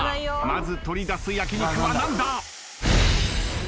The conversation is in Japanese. まず取り出す焼き肉は何だ？